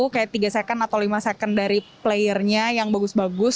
kayak tiga second atau lima second dari playernya yang bagus bagus